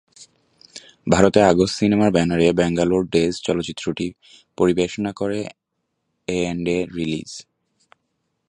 ভারতে আগস্ট সিনেমার ব্যানারে "ব্যাঙ্গালোর ডেজ" চলচ্চিত্রটি পরিবেশনা করে এ অ্যান্ড এ রিলিজ।